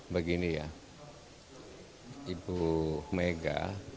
begini ya ibu mega